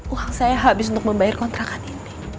uang saya habis untuk membayar kontrakan ini